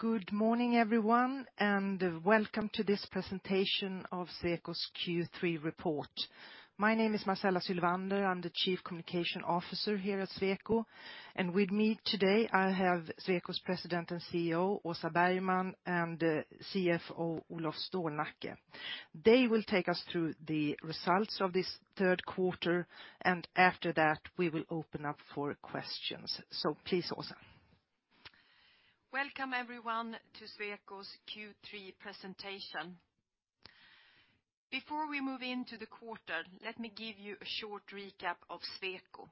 Good morning, everyone, and welcome to this presentation of Sweco's Q3 report. My name is Marcela Sylvander. I'm the Chief Communications Officer here at Sweco. And with me today, I have Sweco's President and CEO, Åsa Bergman, and CFO, Olof Stålnacke. They will take us through the results of this third quarter, and after that, we will open up for questions. Please, Åsa. Welcome, everyone, to Sweco's Q3 presentation. Before we move into the quarter, let me give you a short recap of Sweco.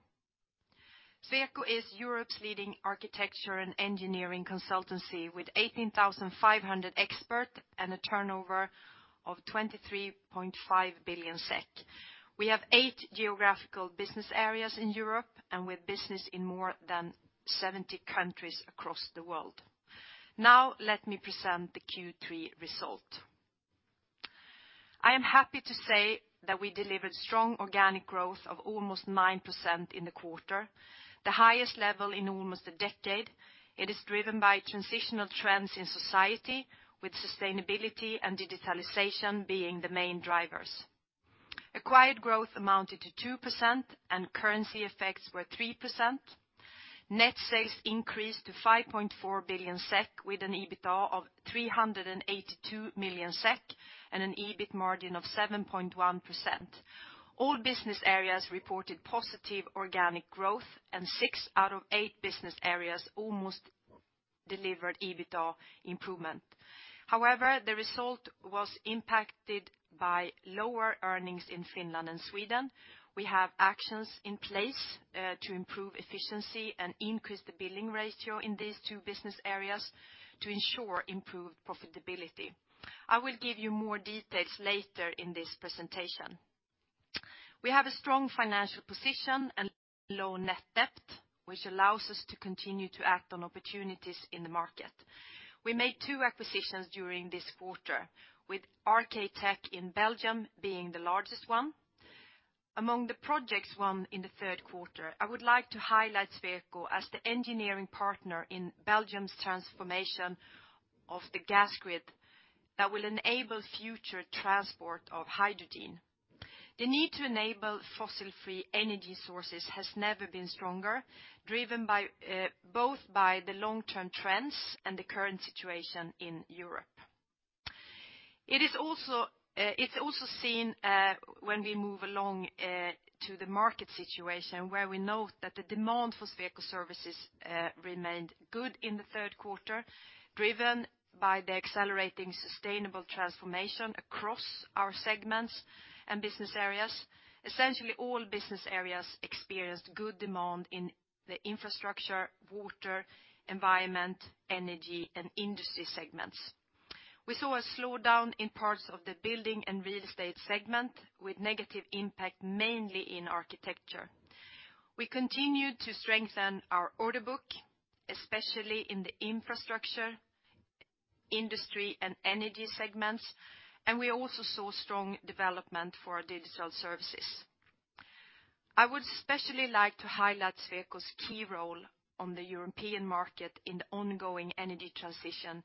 Sweco is Europe's leading architecture and engineering consultancy with 18,500 experts and a turnover of 23.5 billion SEK. We have eight geographical business areas in Europe, and with business in more than 70 countries across the world. Now, let me present the Q3 result. I am happy to say that we delivered strong organic growth of almost 9% in the quarter, the highest level in almost a decade. It is driven by transformational trends in society with sustainability and digitalization being the main drivers. Acquired growth amounted to 2% and currency effects were 3%. Net sales increased to 5.4 billion SEK with an EBITA of 382 million SEK and an EBIT margin of 7.1%. All business areas reported positive organic growth, and six out of eight business areas almost delivered EBITA improvement. However, the result was impacted by lower earnings in Finland and Sweden. We have actions in place to improve efficiency and increase the billing ratio in these two business areas to ensure improved profitability. I will give you more details later in this presentation. We have a strong financial position and low net debt, which allows us to continue to act on opportunities in the market. We made two acquisitions during this quarter with RK-TEC in Belgium being the largest one. Among the projects won in the third quarter, I would like to highlight Sweco as the engineering partner in Belgium's transformation of the gas grid that will enable future transport of hydrogen. The need to enable fossil-free energy sources has never been stronger, driven by both the long-term trends and the current situation in Europe. It's also seen when we move along to the market situation where we know that the demand for Sweco services remained good in the third quarter, driven by the accelerating sustainable transformation across our segments and business areas. Essentially all business areas experienced good demand in the infrastructure, water, environment, energy, and industry segments. We saw a slowdown in parts of the building and real estate segment with negative impact, mainly in architecture. We continued to strengthen our order book, especially in the infrastructure, industry, and energy segments, and we also saw strong development for our digital services. I would especially like to highlight Sweco's key role on the European market in the ongoing energy transition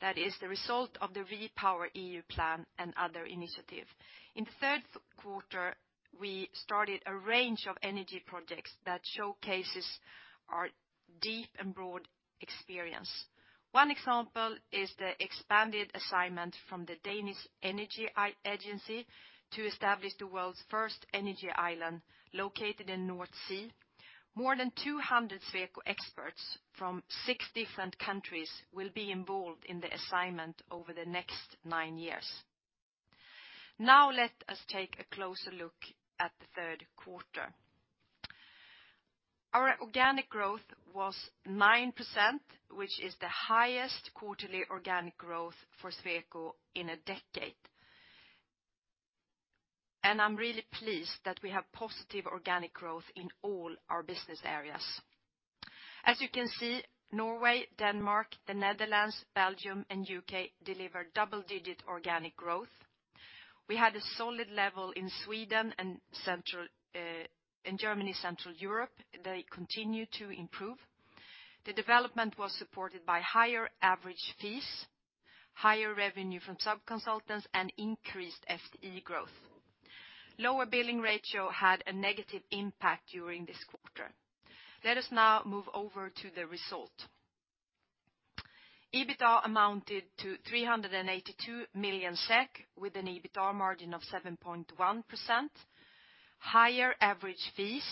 that is the result of the REPowerEU plan and other initiative. In the third quarter, we started a range of energy projects that showcases our deep and broad experience. One example is the expanded assignment from the Danish Energy Agency to establish the world's first energy island located in North Sea. More than 200 Sweco experts from six different countries will be involved in the assignment over the next nine years. Now let us take a closer look at the third quarter. Our organic growth was 9%, which is the highest quarterly organic growth for Sweco in a decade. I'm really pleased that we have positive organic growth in all our business areas. As you can see, Norway, Denmark, the Netherlands, Belgium, and U.K. delivered double-digit organic growth. We had a solid level in Sweden and Central, in Germany, Central Europe. They continue to improve. The development was supported by higher average fees, higher revenue from sub-consultants, and increased FTE growth. Lower billing ratio had a negative impact during this quarter. Let us now move over to the result. EBITA amounted to 382 million SEK with an EBITA margin of 7.1%. Higher average fees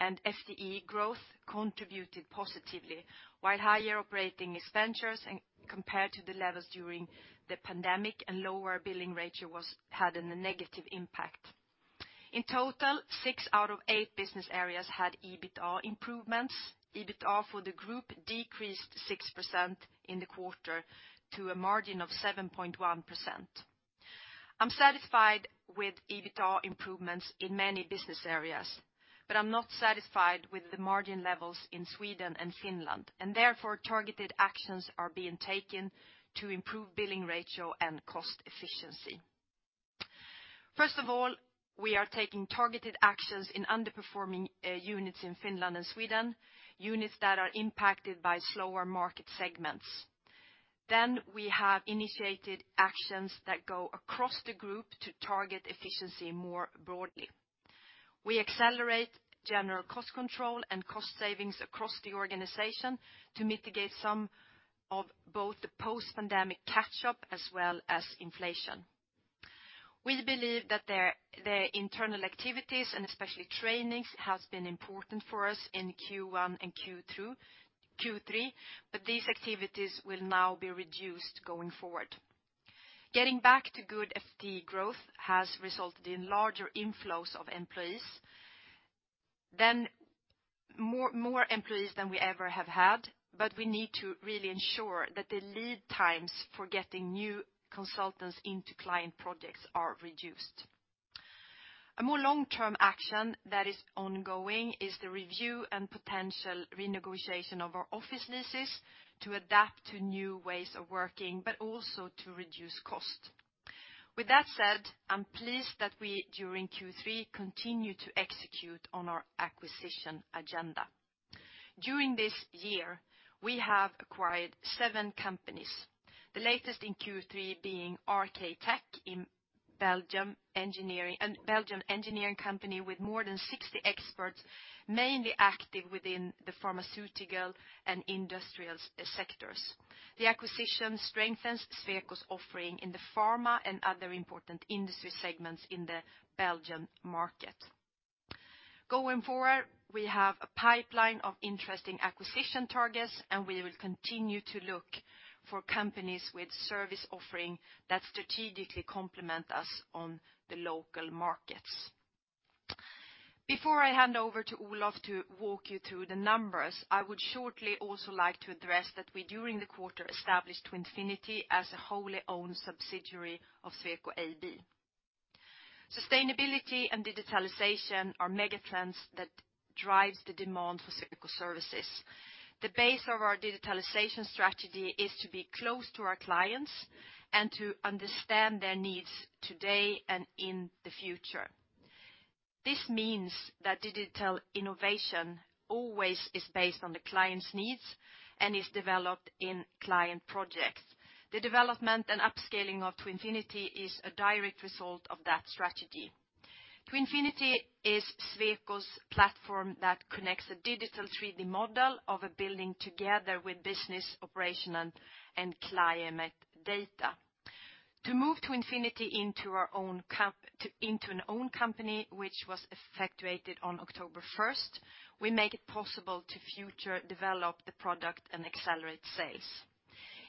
and FTE growth contributed positively while higher operating expenditures and compared to the levels during the pandemic and lower billing ratio had a negative impact. In total, six out of eight business areas had EBITA improvements. EBITA for the group decreased 6% in the quarter to a margin of 7.1%. I'm satisfied with EBITA improvements in many business areas, but I'm not satisfied with the margin levels in Sweden and Finland, and therefore, targeted actions are being taken to improve billing ratio and cost efficiency. First of all, we are taking targeted actions in underperforming units in Finland and Sweden, units that are impacted by slower market segments. We have initiated actions that go across the group to target efficiency more broadly. We accelerate general cost control and cost savings across the organization to mitigate some of both the post-pandemic catch-up as well as inflation. We believe that their internal activities, and especially trainings, has been important for us in Q1 and Q2 and Q3, but these activities will now be reduced going forward. Getting back to good FTE growth has resulted in larger inflows of employees. More employees than we ever have had, but we need to really ensure that the lead times for getting new consultants into client projects are reduced. A more long-term action that is ongoing is the review and potential renegotiation of our office leases to adapt to new ways of working, but also to reduce cost. With that said, I'm pleased that we, during Q3, continued to execute on our acquisition agenda. During this year, we have acquired 7 companies, the latest in Q3 being RK-TEC, a Belgian engineering company with more than 60 experts, mainly active within the pharmaceutical and industrials sectors. The acquisition strengthens Sweco's offering in the pharma and other important industry segments in the Belgian market. Going forward, we have a pipeline of interesting acquisition targets, and we will continue to look for companies with service offering that strategically complement us on the local markets. Before I hand over to Olof to walk you through the numbers, I would shortly also like to address that we, during the quarter, established Twinfinity as a wholly owned subsidiary of Sweco AB. Sustainability and digitalization are megatrends that drives the demand for Sweco services. The base of our digitalization strategy is to be close to our clients and to understand their needs today and in the future. This means that digital innovation always is based on the client's needs and is developed in client projects. The development and upscaling of Twinfinity is a direct result of that strategy. Twinfinity is Sweco's platform that connects a digital 3D model of a building together with business, operational, and climate data. To move Twinfinity into our own company, which was effectuated on October first, we make it possible to future develop the product and accelerate sales.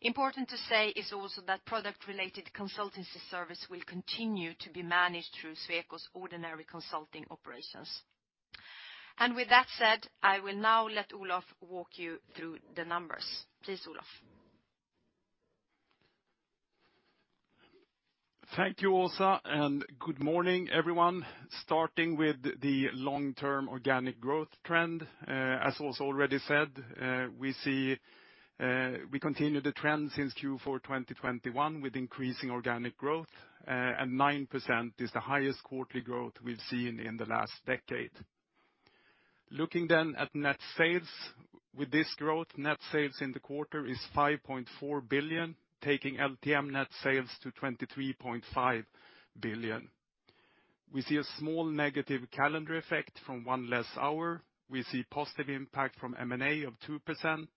Important to say is also that product-related consultancy service will continue to be managed through Sweco's ordinary consulting operations. With that said, I will now let Olof walk you through the numbers. Please, Olof. Thank you, Åsa, and good morning, everyone. Starting with the long-term organic growth trend, as Åsa already said, we see, we continue the trend since Q4 2021 with increasing organic growth, and 9% is the highest quarterly growth we've seen in the last decade. Looking at net sales. With this growth, net sales in the quarter is 5.4 billion, taking LTM net sales to 23.5 billion. We see a small negative calendar effect from one less hour. We see positive impact from M&A of 2%,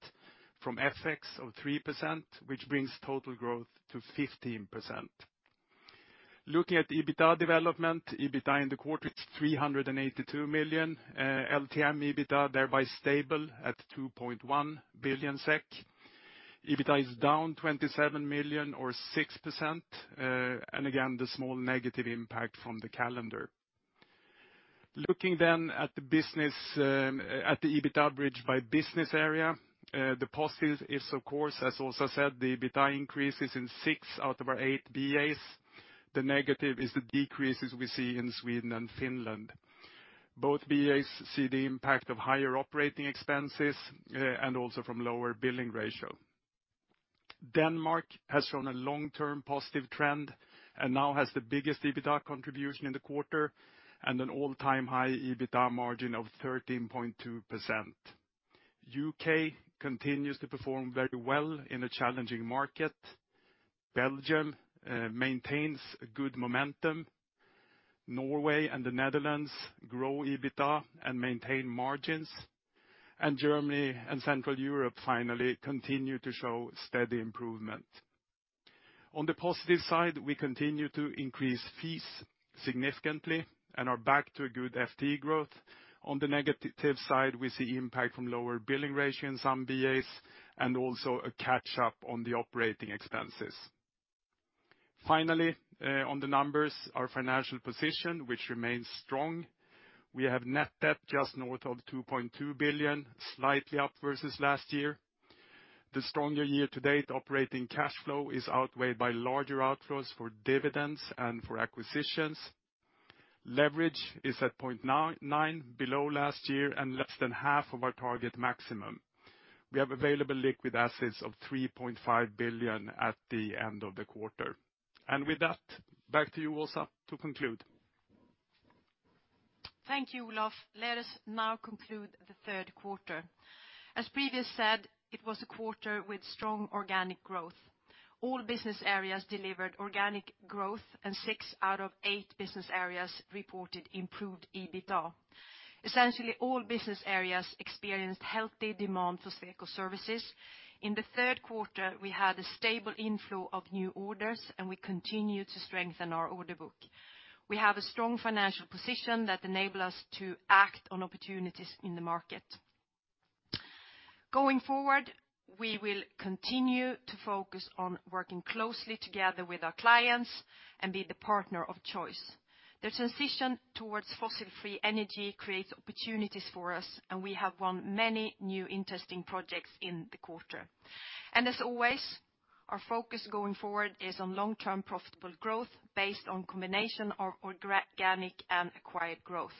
from FX of 3%, which brings total growth to 15%. Looking at the EBITA development, EBITA in the quarter is 382 million. LTM EBITA thereby stable at 2.1 billion SEK. EBITA is down 27 million or 6%. Again, the small negative impact from the calendar. Looking at the business, at the EBITA bridge by business area. The positive is of course, as Åsa said, the EBITA increase is in six out of our eight BAs. The negative is the decreases we see in Sweden and Finland. Both BAs see the impact of higher operating expenses, and also from lower billing ratio. Denmark has shown a long-term positive trend and now has the biggest EBITA contribution in the quarter and an all-time high EBITA margin of 13.2%. UK continues to perform very well in a challenging market. Belgium maintains good momentum. Norway and the Netherlands grow EBITA and maintain margins. Germany and Central Europe finally continue to show steady improvement. On the positive side, we continue to increase fees significantly and are back to a good FTE growth. On the negative side, we see impact from lower billing ratio in some BAs and also a catch-up on the operating expenses. Finally, on the numbers, our financial position, which remains strong. We have net debt just north of 2.2 billion, slightly up versus last year. The stronger year-to-date operating cash flow is outweighed by larger outflows for dividends and for acquisitions. Leverage is at 0.9 below last year and less than half of our target maximum. We have available liquid assets of 3.5 billion at the end of the quarter. With that, back to you, Åsa, to conclude. Thank you, Olof. Let us now conclude the third quarter. As previously said, it was a quarter with strong organic growth. All business areas delivered organic growth and six out of eight business areas reported improved EBITA. Essentially, all business areas experienced healthy demand for Sweco services. In the third quarter, we had a stable inflow of new orders, and we continue to strengthen our order book. We have a strong financial position that enable us to act on opportunities in the market. Going forward, we will continue to focus on working closely together with our clients and be the partner of choice. The transition towards fossil-free energy creates opportunities for us, and we have won many new interesting projects in the quarter. As always, our focus going forward is on long-term profitable growth based on combination of organic and acquired growth.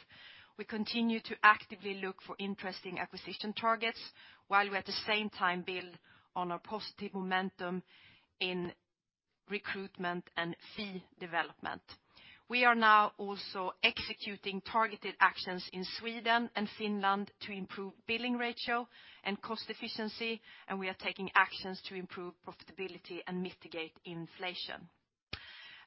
We continue to actively look for interesting acquisition targets while we at the same time build on our positive momentum in recruitment and fee development. We are now also executing targeted actions in Sweden and Finland to improve billing ratio and cost efficiency, and we are taking actions to improve profitability and mitigate inflation.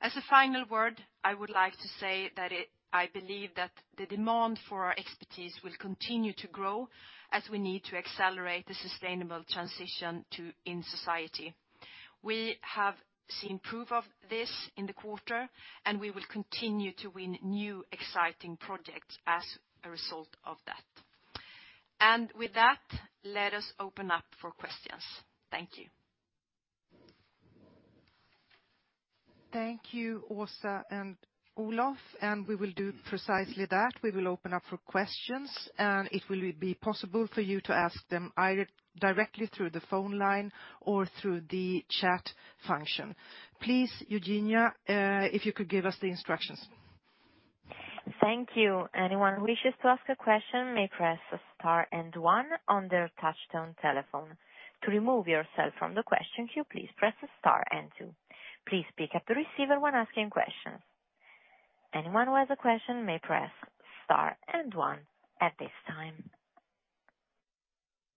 As a final word, I would like to say that I believe that the demand for our expertise will continue to grow as we need to accelerate the sustainable transition in society. We have seen proof of this in the quarter, and we will continue to win new, exciting projects as a result of that. With that, let us open up for questions. Thank you. Thank you, Åsa and Olof. We will do precisely that. We will open up for questions, and it will be possible for you to ask them either directly through the phone line or through the chat function. Please, Eugenia, if you could give us the instructions. Thank you. Anyone who wishes to ask a question may press star and one on their touchtone telephone. To remove yourself from the question queue, please press star and two. Please pick up the receiver when asking questions. Anyone who has a question may press star and one at this time.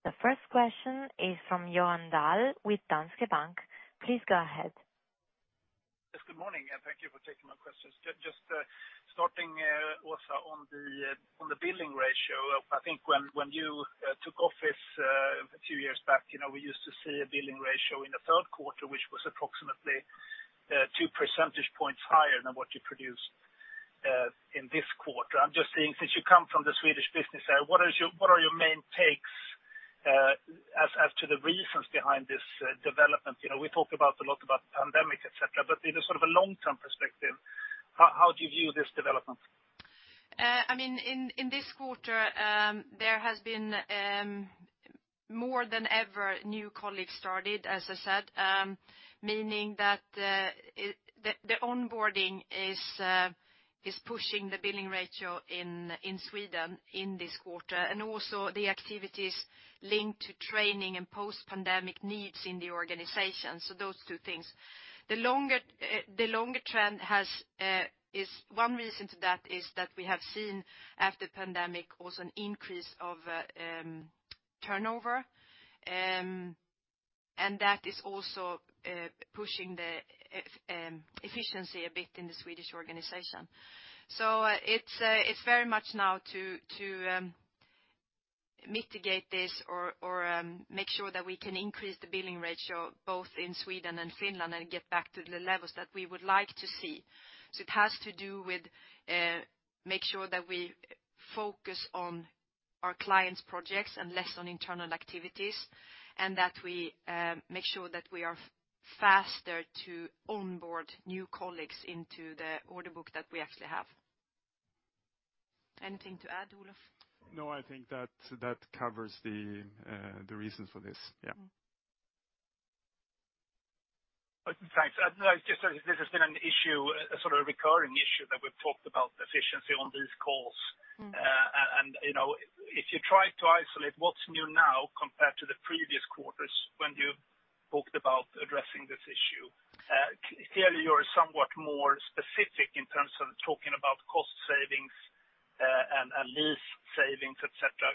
The first question is from Johan Dahl with Danske Bank. Please go ahead. Yes, good morning, and thank you for taking my questions. Just starting, Åsa, on the billing ratio. I think when you took office a few years back, you know, we used to see a billing ratio in the third quarter, which was approximately two percentage points higher than what you produced in this quarter. I'm just saying since you come from the Swedish business, what are your main takes as to the reasons behind this development? You know, we talk a lot about pandemic, et cetera, but in a sort of a long-term perspective, how do you view this development? I mean, in this quarter, there has been more than ever new colleagues started, as I said, meaning that the onboarding is pushing the billing ratio in Sweden in this quarter, and also the activities linked to training and post-pandemic needs in the organization. Those two things. The longer trend is one reason for that is that we have seen after pandemic also an increase of turnover, and that is also pushing the efficiency a bit in the Swedish organization. It's very much now to mitigate this or make sure that we can increase the billing ratio both in Sweden and Finland and get back to the levels that we would like to see. It has to do with, make sure that we focus on our clients' projects and less on internal activities, and that we make sure that we are faster to onboard new colleagues into the order book that we actually have. Anything to add, Olof? No, I think that covers the reason for this. Yeah. Mm-hmm. Thanks. No, it's just that this has been an issue, a sort of recurring issue that we've talked about efficiency on these calls. Mm-hmm. you know, if you try to isolate what's new now compared to the previous quarters when you talked about addressing this issue, clearly you're somewhat more specific in terms of talking about cost savings, and lease savings, et cetera.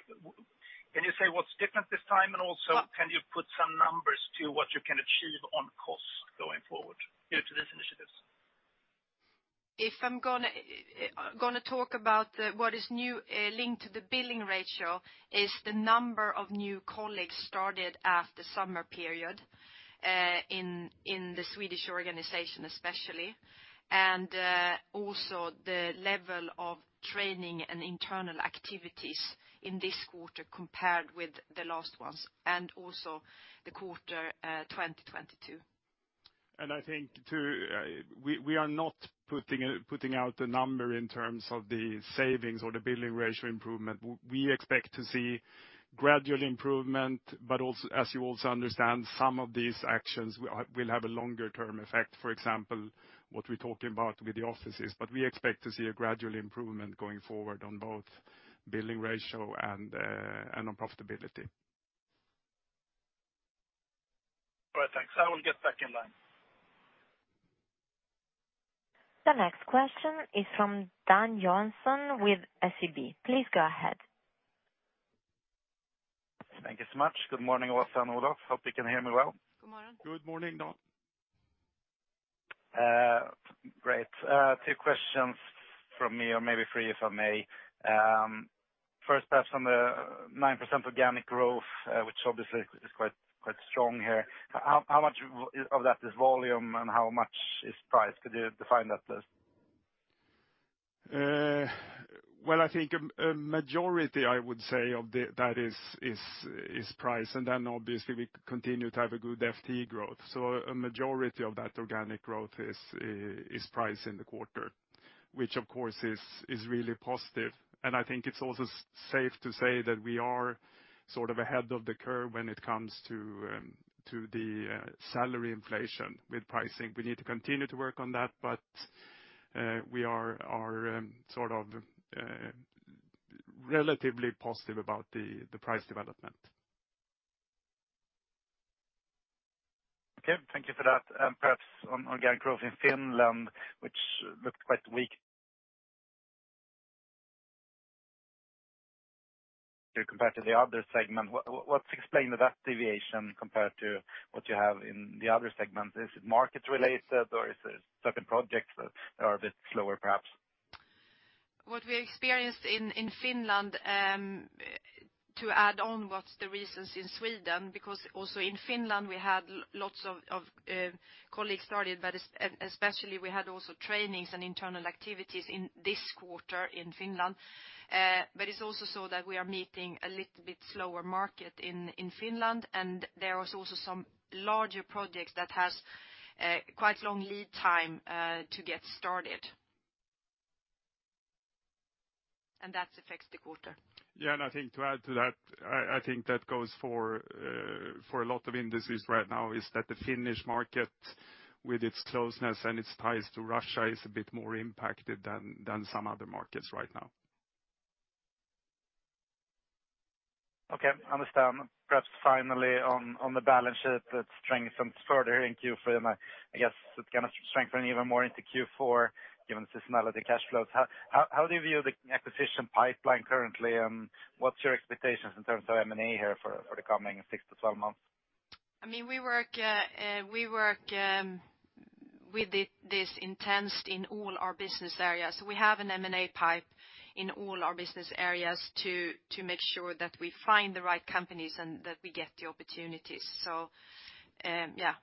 Can you say what's different this time? Also Uh- Can you put some numbers to what you can achieve on costs going forward due to these initiatives? If I'm gonna talk about what is new linked to the billing ratio is the number of new colleagues started after summer period in the Swedish organization especially, and also the level of training and internal activities in this quarter compared with the last ones and also the quarter 2022. I think we are not putting out the number in terms of the savings or the billing ratio improvement. We expect to see gradual improvement, but also as you also understand, some of these actions will have a longer term effect. For example, what we're talking about with the offices. We expect to see a gradual improvement going forward on both billing ratio and on profitability. All right, thanks. I will get back in line. The next question is from Dan Johansson with SEB. Please go ahead. Thank you so much. Good morning, Olof and Åsa. Hope you can hear me well. Good morning. Good morning, Dan. Great. Two questions from me, or maybe three, if I may. First, perhaps on the 9% organic growth, which obviously is quite strong here. How much of that is volume and how much is price? Could you define that, please? Well, I think a majority, I would say, of the, that is price. Obviously we continue to have a good FTE growth. A majority of that organic growth is price in the quarter, which of course is really positive. I think it's also safe to say that we are sort of ahead of the curve when it comes to the salary inflation with pricing. We need to continue to work on that, but we are sort of relatively positive about the price development. Okay, thank you for that. Perhaps on organic growth in Finland, which looked quite weak compared to the other segment. What's explaining that deviation compared to what you have in the other segment? Is it market related or is it certain projects that are a bit slower, perhaps? What we experienced in Finland to add on what's the reasons in Sweden, because also in Finland we had lots of colleagues started, but especially we had also trainings and internal activities in this quarter in Finland. It's also so that we are meeting a little bit slower market in Finland, and there is also some larger projects that has quite long lead time to get started. That affects the quarter. Yeah. I think to add to that, I think that goes for a lot of industries right now, is that the Finnish market, with its closeness and its ties to Russia, is a bit more impacted than some other markets right now. Okay. Understand. Perhaps finally on the balance sheet that strengthened further in Q3, and I guess it's gonna strengthen even more into Q4 given the seasonality of cash flows. How do you view the acquisition pipeline currently, and what's your expectations in terms of M&A here for the coming 6-12 months? I mean, we work with this intent in all our business areas. We have an M&A pipe in all our business areas to make sure that we find the right companies and that we get the opportunities. Yeah.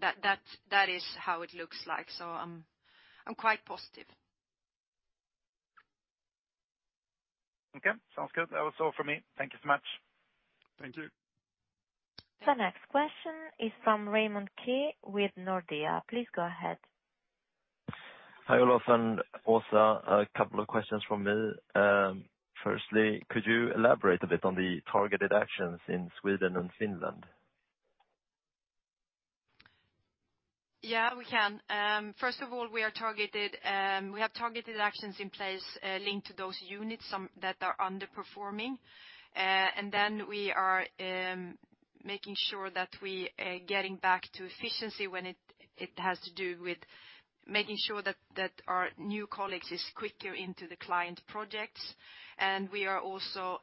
That is how it looks like. I'm quite positive. Okay. Sounds good. That was all from me. Thank you so much. Thank you. The next question is from Raymond Ke with Nordea. Please go ahead. Hi, Ola and Åsa. A couple of questions from me. Firstly, could you elaborate a bit on the targeted actions in Sweden and Finland? Yeah, we can. First of all, we have targeted actions in place, linked to those units that are underperforming. We are making sure that we getting back to efficiency when it has to do with making sure that our new colleagues is quicker into the client projects. We have also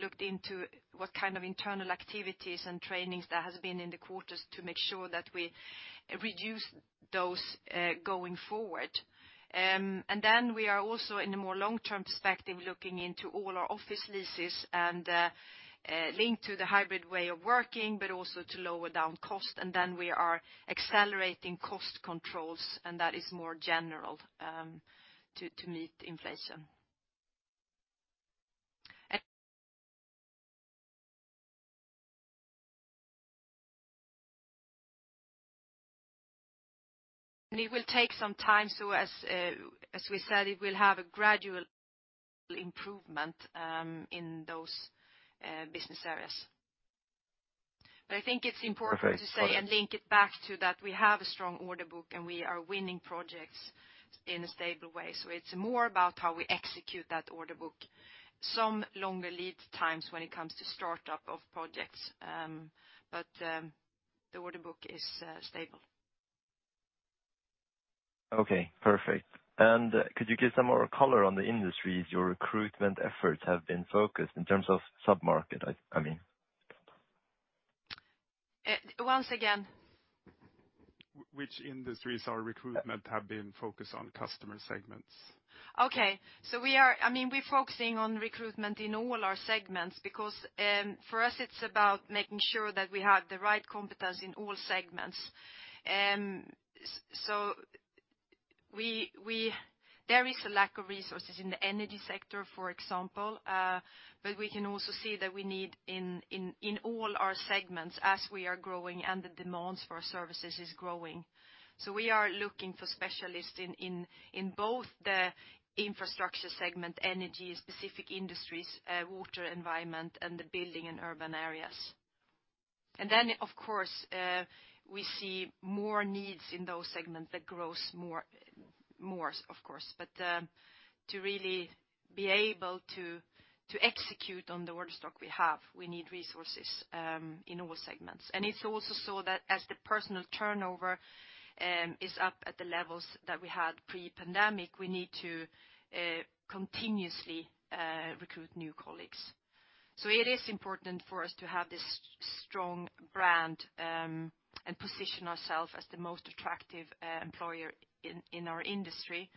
looked into what kind of internal activities and trainings there has been in the quarters to make sure that we reduce those going forward. We are also, in a more long-term perspective, looking into all our office leases and linked to the hybrid way of working, but also to lower down cost. We are accelerating cost controls, and that is more general to meet inflation. It will take some time. As we said, it will have a gradual improvement in those business areas. I think it's important to say and link it back to that we have a strong order book, and we are winning projects in a stable way. It's more about how we execute that order book. Some longer lead times when it comes to startup of projects. The order book is stable. Okay. Perfect. Could you give some more color on the industries your recruitment efforts have been focused in terms of sub-market, I mean? Once again? Which industries has our recruitment been focused on customer segments. Okay. We're focusing on recruitment in all our segments because, for us it's about making sure that we have the right competence in all segments. There is a lack of resources in the energy sector, for example, but we can also see that we need in all our segments as we are growing and the demands for our services is growing. We are looking for specialists in both the infrastructure segment, energy-specific industries, water environment, and the building and urban areas. Then of course, we see more needs in those segments that grows more of course. To really be able to execute on the order stock we have, we need resources in all segments. It's also so that as the personnel turnover is up at the levels that we had pre-pandemic, we need to continuously recruit new colleagues. It is important for us to have this strong brand and position ourselves as the most attractive employer in our industry.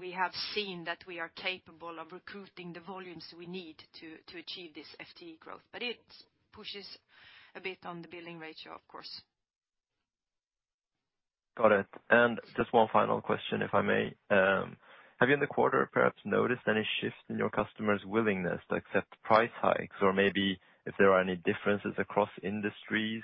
We have seen that we are capable of recruiting the volumes we need to achieve this FTE growth. It pushes a bit on the billing ratio, of course. Got it. Just one final question, if I may. Have you in the quarter perhaps noticed any shifts in your customers' willingness to accept price hikes? Or maybe if there are any differences across industries?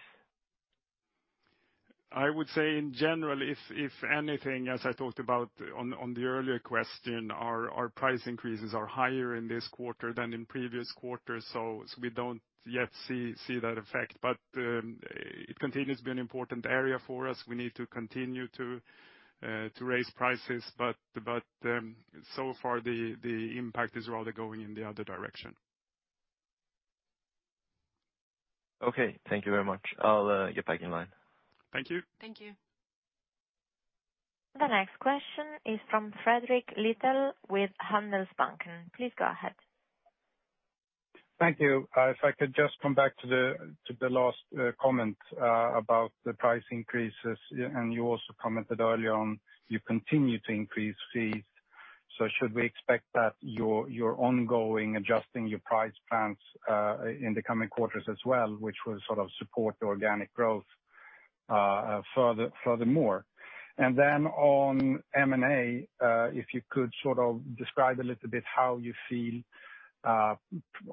I would say in general, if anything, as I talked about on the earlier question, our price increases are higher in this quarter than in previous quarters, so we don't yet see that effect. It continues to be an important area for us. We need to continue to raise prices. So far the impact is rather going in the other direction. Okay, thank you very much. I'll get back in line. Thank you. Thank you. The next question is from Fredrik Lithell with Handelsbanken. Please go ahead. Thank you. If I could just come back to the last comment about the price increases. You also commented earlier on you continue to increase fees. Should we expect that you're ongoing adjusting your price plans in the coming quarters as well, which will sort of support the organic growth furthermore? On M&A, if you could sort of describe a little bit how you feel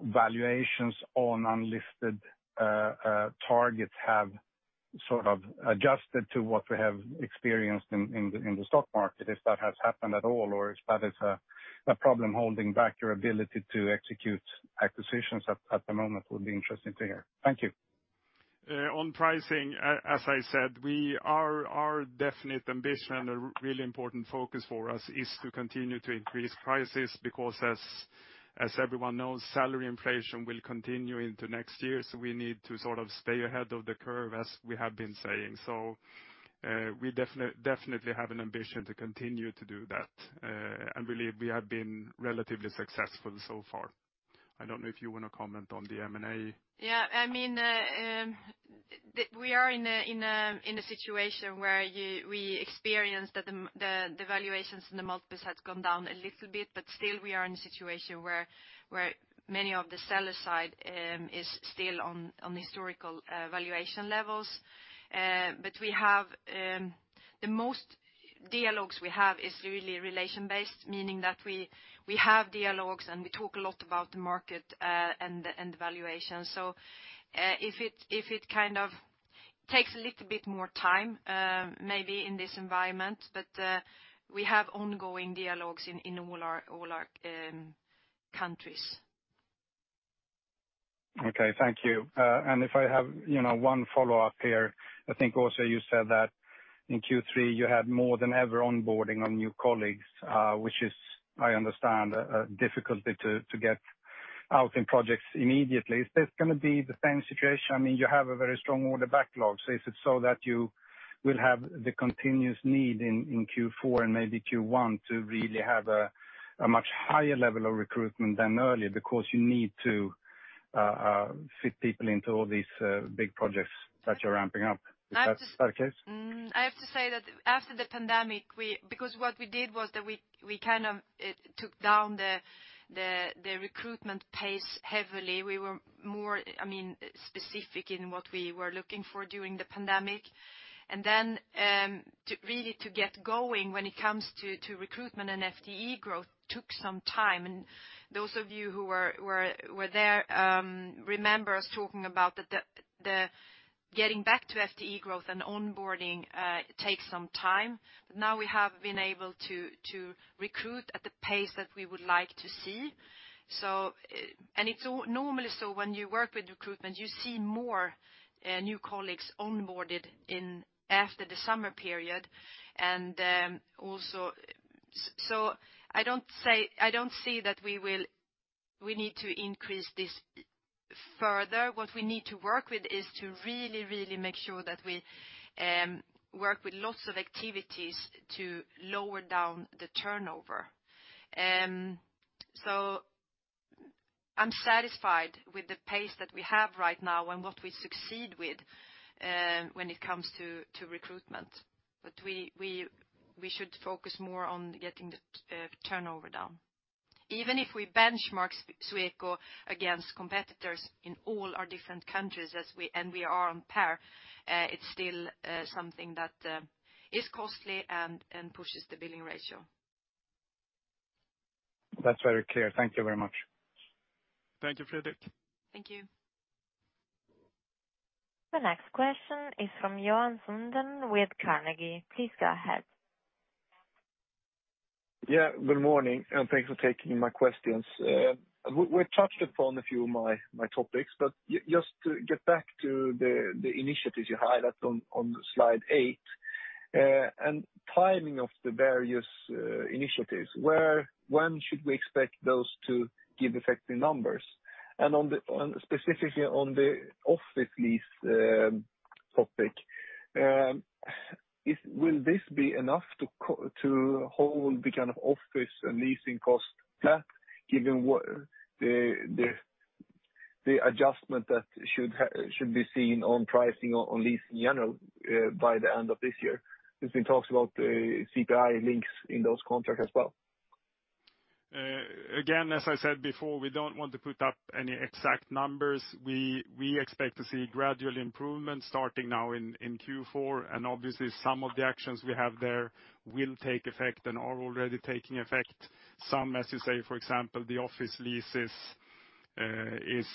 valuations on unlisted targets have sort of adjusted to what we have experienced in the stock market, if that has happened at all, or if that is a problem holding back your ability to execute acquisitions at the moment, would be interesting to hear. Thank you. On pricing, as I said, we are our definite ambition and a really important focus for us is to continue to increase prices, because as everyone knows, salary inflation will continue into next year, so we need to sort of stay ahead of the curve, as we have been saying. We definitely have an ambition to continue to do that. Really, we have been relatively successful so far. I don't know if you wanna comment on the M&A. Yeah. I mean, we are in a situation where we experience that the valuations in the multiples has gone down a little bit, but still we are in a situation where many of the seller side is still on historical valuation levels. But we have the most dialogues we have is really relationship based, meaning that we have dialogues and we talk a lot about the market and the valuation. If it kind of takes a little bit more time, maybe in this environment, but we have ongoing dialogues in all our countries. Okay. Thank you. If I have, you know, one follow-up here. I think also you said that in Q3, you had more than ever onboarding on new colleagues, which is, I understand, a difficulty to get out in projects immediately. Is this gonna be the same situation? I mean, you have a very strong order backlog. Is it so that you will have the continuous need in Q4 and maybe Q1 to really have a much higher level of recruitment than earlier because you need to fit people into all these big projects that you're ramping up? Is that the case? I have to say that after the pandemic, because what we did was that we kind of took down the recruitment pace heavily. We were more, I mean, specific in what we were looking for during the pandemic. Then, to really get going when it comes to recruitment and FTE growth took some time. Those of you who were there remember us talking about the getting back to FTE growth and onboarding takes some time. But now we have been able to recruit at the pace that we would like to see. Normally, when you work with recruitment, you see more new colleagues onboarded after the summer period. I don't see that we need to increase this further. What we need to work with is to really, really make sure that we work with lots of activities to lower down the turnover. I'm satisfied with the pace that we have right now and what we succeed with when it comes to recruitment. We should focus more on getting the turnover down. Even if we benchmark Sweco against competitors in all our different countries and we are on par, it's still something that is costly and pushes the billing ratio. That's very clear. Thank you very much. Thank you, Fredrik. Thank you. The next question is from Johan Sundén with Carnegie. Please go ahead. Yeah, good morning, and thanks for taking my questions. We've touched upon a few of my topics, but just to get back to the initiatives you highlighted on slide eight, and timing of the various initiatives, when should we expect those to give effective numbers? And specifically on the office lease topic, will this be enough to hold the kind of office and leasing cost flat given what the adjustment that should be seen on pricing on lease in general by the end of this year? There's been talks about CPI links in those contracts as well. Again, as I said before, we don't want to put up any exact numbers. We expect to see gradual improvements starting now in Q4, and obviously some of the actions we have there will take effect and are already taking effect. Some, as you say, for example, the office leases is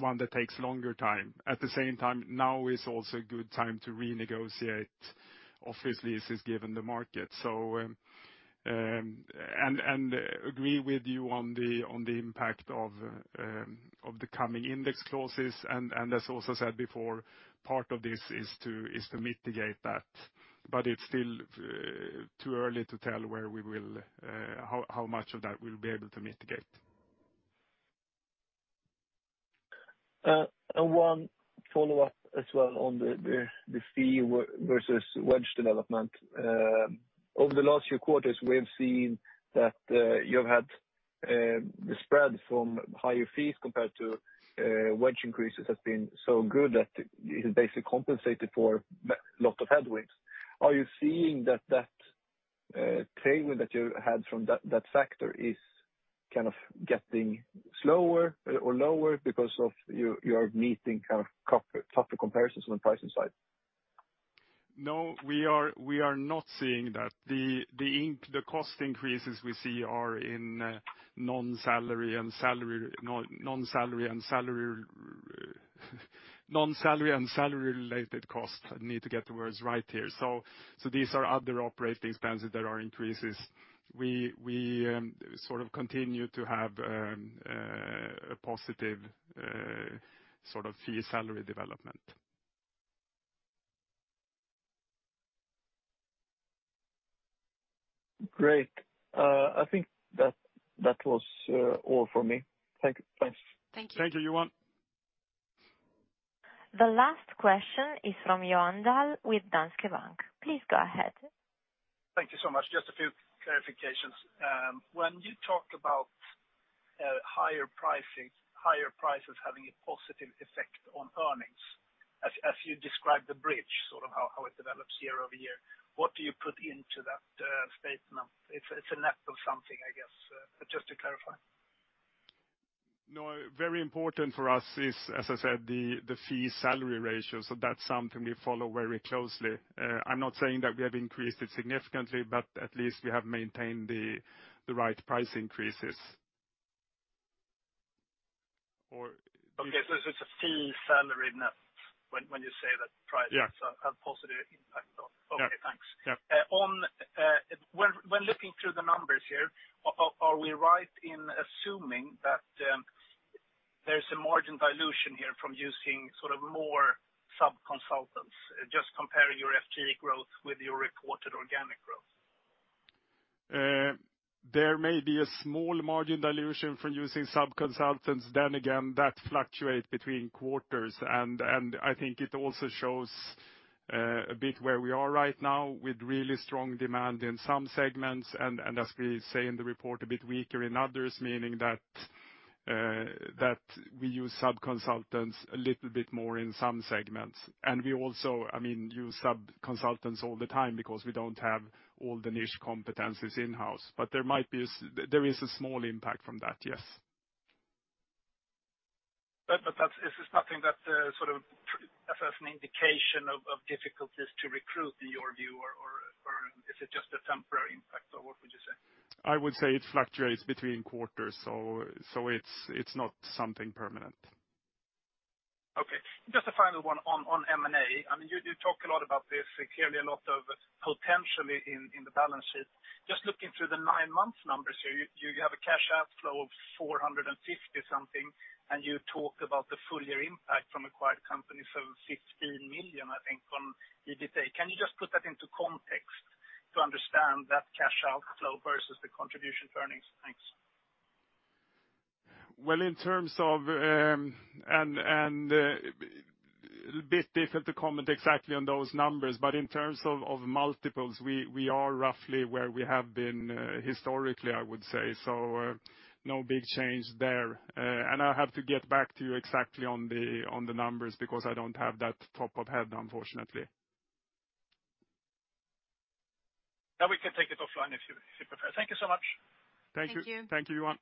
one that takes longer time. At the same time, now is also a good time to renegotiate office leases given the market. Agree with you on the impact of the coming index clauses. As also said before, part of this is to mitigate that. It's still too early to tell where we will how much of that we'll be able to mitigate. One follow-up as well on the fee-versus wage development. Over the last few quarters, we have seen that you've had the spread from higher fees compared to wage increases has been so good that it has basically compensated for a lot of headwinds. Are you seeing that payoff that you had from that factor is kind of getting slower or lower because you are meeting kind of tougher comparisons on the pricing side? No, we are not seeing that. The cost increases we see are in non-salary and salary-related costs. I need to get the words right here. These are other operating expenses that are increases. We sort of continue to have a positive sort of FTE salary development. Great. I think that was all from me. Thank you. Thanks. Thank you. Thank you, Johan. The last question is from Johan Dahl with Danske Bank. Please go ahead. Thank you so much. Just a few clarifications. When you talk about higher pricing, higher prices having a positive effect on earnings, as you describe the bridge, sort of how it develops year over year, what do you put into that statement? It's a net of something, I guess. Just to clarify. No, very important for us is, as I said, the fee salary ratio, so that's something we follow very closely. I'm not saying that we have increased it significantly, but at least we have maintained the right price increases. It's a fee salary net when you say that prices- Yeah. have positive impact on. Yeah. Okay, thanks. Yeah. When looking through the numbers here, are we right in assuming that there's a margin dilution here from using sort of more sub-consultants, just comparing your FTE growth with your reported organic growth? There may be a small margin dilution from using sub-consultants. Again, that fluctuates between quarters. I think it also shows a bit where we are right now with really strong demand in some segments and as we say in the report, a bit weaker in others, meaning that we use sub-consultants a little bit more in some segments. We also, I mean, use sub-consultants all the time because we don't have all the niche competencies in-house. There is a small impact from that, yes. This is nothing that sort of as an indication of difficulties to recruit in your view or is it just a temporary impact or what would you say? I would say it fluctuates between quarters, so it's not something permanent. Okay. Just a final one on M&A. I mean, you do talk a lot about this. Clearly a lot of potential in the balance sheet. Just looking through the nine-month numbers here, you have a cash outflow of 450-something, and you talk about the full year impact from acquired companies of 15 million, I think, from EBITA. Can you just put that into context to understand that cash outflow versus the contribution to earnings? Thanks. Well, in terms of a bit difficult to comment exactly on those numbers, but in terms of multiples, we are roughly where we have been historically, I would say. No big change there. I have to get back to you exactly on the numbers because I don't have that top of my head, unfortunately. We can take it offline if you prefer. Thank you so much. Thank you. Thank you. Thank you, Johan.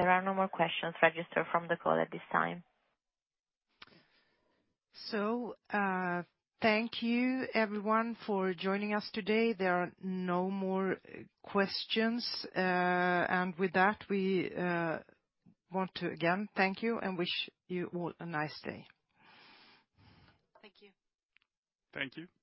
There are no more questions registered from the call at this time. Thank you everyone for joining us today. There are no more questions. With that, we want to again thank you and wish you all a nice day. Thank you. Thank you.